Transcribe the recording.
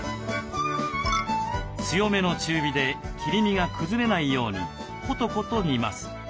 強めの中火で切り身が崩れないようにコトコト煮ます。